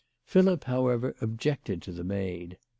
Philip, however, objected to the maid.